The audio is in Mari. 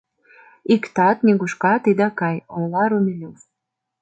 — Иктат нигушкат ида кай, — ойла Румелёв.